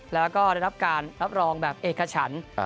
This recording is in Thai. แล้วก็ได้รับการรับรองแบบเอกฉัน